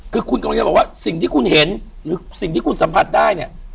คือคุณกำลังจะบอกว่าสิ่งที่คุณเห็นหรือสิ่งที่คุณสัมผัสได้เนี่ย